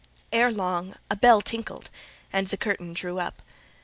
Ere long a bell tinkled, and the curtain drew up.